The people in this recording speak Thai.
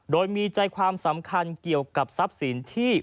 โดยมีใจความสำคัญเกี่ยวกับทรัพย์สินที่